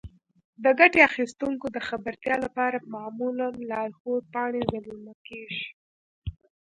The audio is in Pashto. د ګټې اخیستونکو د خبرتیا لپاره معمولا لارښود پاڼې ضمیمه کیږي.